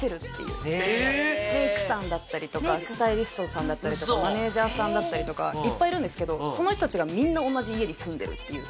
メイクさんだったりとかスタイリストさんだったりとかマネージャーさんだったりとかいっぱいいるんですけどその人たちがみんな同じ家に住んでるっていう。